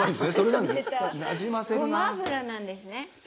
ごま油なんですね。